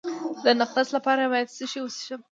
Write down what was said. د نقرس لپاره باید څه شی وڅښم؟